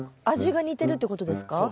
味が似てるってことですか？